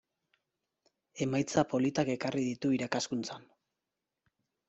Emaitza politak ekarri ditu irakaskuntzan.